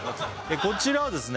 こちらはですね